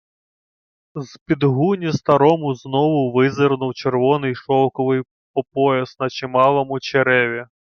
З-під гуні старому знову визирнув червоний шовковий опояс на чималому череві.